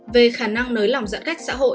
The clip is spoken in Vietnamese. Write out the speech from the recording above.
về khả năng nới lỏng giãn cách xã hội